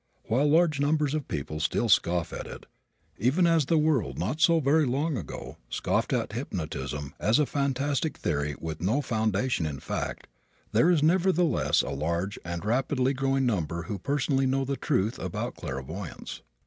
While large numbers of people still scoff at it, even as the world not so very long ago scoffed at hypnotism as a fantastic theory with no foundation in fact, there is nevertheless a large and rapidly growing number who personally know the truth about clairvoyance.